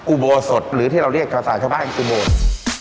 อุโบสดหรือที่เราเรียกกับสาวชาวบ้านคือบวช